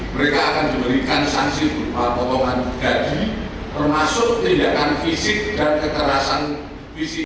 mereka akan diberikan sanksi berupa potongan gaji termasuk tindakan fisik dan kekerasan fisik